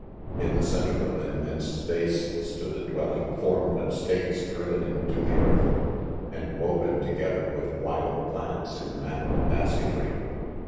(3) In the centre! of an open, space, stood a dwelling formed of stakes driven into the earth, and woven together with wild plants, in .the manner of basketry.